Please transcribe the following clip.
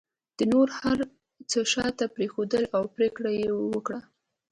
ده نور هر څه شاته پرېښودل او پرېکړه یې وکړه